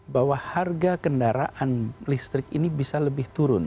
bahwa harga kendaraan listrik ini bisa lebih turun